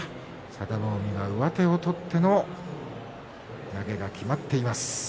佐田の海が上手を取っての投げがきまっています。